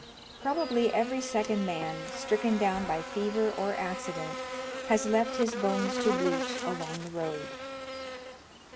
Probably every second man, stricken down by fever or accident, has left his bones to bleach along the road.